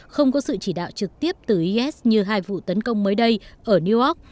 không có sự chỉ đạo trực tiếp từ is như hai vụ tấn công mới đây ở new york